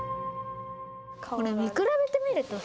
これ見比べてみるとさ